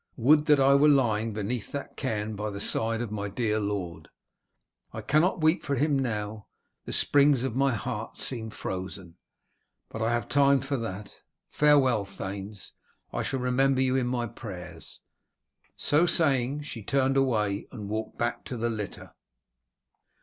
Would that I were lying beneath that cairn by the side of my dear lord. I cannot weep for him now, the springs of my heart seem frozen, but I have time for that. Farewell, thanes! I shall remember you in my prayers." So saying she turned away, and walked back to the litter.